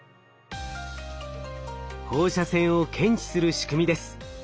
放射線を検知する仕組みです。